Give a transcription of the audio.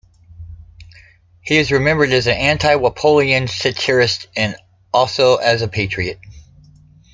He is remembered as an anti-Walpolean satirist and also as a patriot.